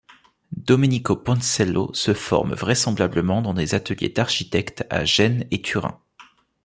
Domenico Ponsello se forme vraisemblablement dans des ateliers d’architectes à Gênes et Turin.